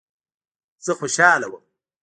زه خوشاله وم.